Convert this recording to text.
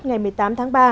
ngày một mươi tám tháng ba